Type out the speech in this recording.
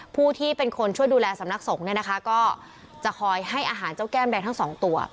ผู้ที่เป็นคนช่วยดูแลสำนักสงฆ์เนี่ยนะคะก็จะคอยให้อาหารเจ้าแก้มแดงทั้งสองตัว